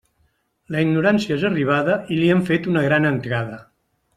La ignorància és arribada, i li han fet una gran entrada.